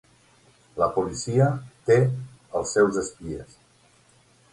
La policia té els seus espies.